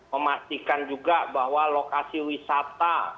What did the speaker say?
memastikan juga bahwa lokasi wisata